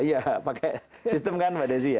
iya pakai sistem kan mbak desi ya